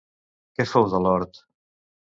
Què fou de l'hort?